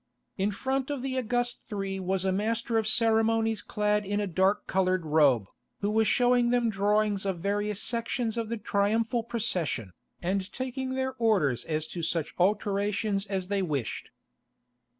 In front of the august three was a master of ceremonies clad in a dark coloured robe, who was showing them drawings of various sections of the triumphal procession, and taking their orders as to such alterations as they wished.